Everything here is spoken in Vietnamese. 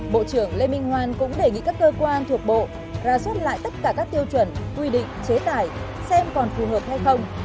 bộ trưởng lê minh hoan cũng đề nghị các cơ quan thuộc bộ ra suất lại tất cả các tiêu chuẩn quy định chế tài xem còn phù hợp hay không